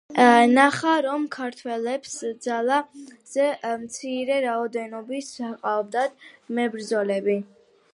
ნახა, რომ ქართველებს ძალზე მცირე რაოდენობით ჰყავდათ მებრძოლები.